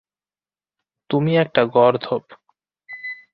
তুমি একটা গর্দভ।